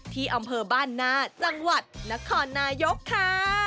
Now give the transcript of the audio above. ที่อำเภอบ้านนาจังหวัดนครนายกค่ะ